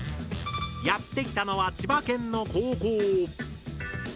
やって来たのは千葉県の高校。